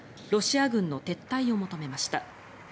ロシア軍の撤退を求めました。